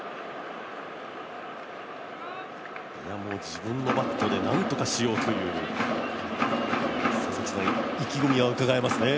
自分のバットでなんとかしようという意気込みはうかがえますね。